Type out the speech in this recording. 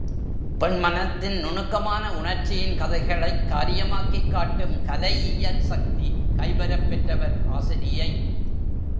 பெண் மனத்தின் நுணுக்கமான உணர்ச்சியின் கதைகளைக் காரியமாக்கிக் காட்டும் கலையியல் சக்தி கைவரப் பெற்றவர் ஆசிரியை.